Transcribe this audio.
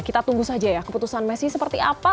kita tunggu saja ya keputusan messi seperti apa